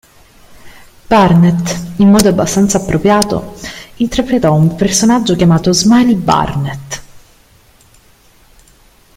Burnette, in modo abbastanza appropriato, interpretò un personaggio chiamato "Smiley Burnette".